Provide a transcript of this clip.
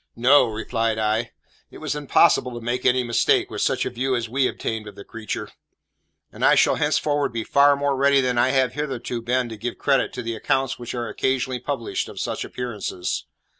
"No," replied I; "it was impossible to make any mistake, with such a view as we obtained of the creature; and I shall henceforward be far more ready than I have hitherto been to give credit to the accounts which are occasionally published of such appearances.